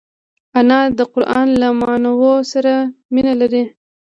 انا د قران له معناوو سره مینه لري